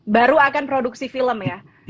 baru akan produksi film ya